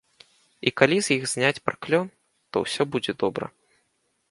І калі з іх зняць праклён, то ўсё будзе добра.